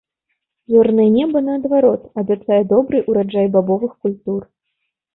Зорнае неба, наадварот, абяцае добры ўраджай бабовых культур.